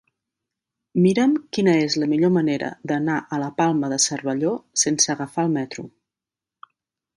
Mira'm quina és la millor manera d'anar a la Palma de Cervelló sense agafar el metro.